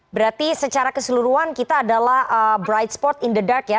berarti secara keseluruhan kita adalah bright sport in the dark ya